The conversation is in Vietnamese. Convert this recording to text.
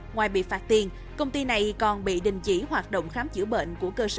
ngoài bị phạt tiền công ty này còn bị đình chỉ hoạt động khám chữa bệnh